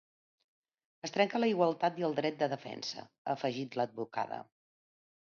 Es trenca la igualtat i el dret de defensa, ha afegit l’advocada.